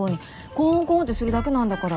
コンコンってするだけなんだから。